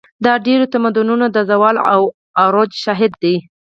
دا د ډېرو تمدنونو د زوال او عروج شاهد دی.